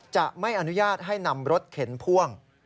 จะไม่อนุญาตให้นำรถเข็นพ่วง